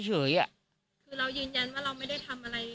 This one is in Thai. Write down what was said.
คือเรายืนยันว่าเราไม่ได้ทำอะไร